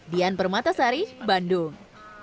dian permatasari bandung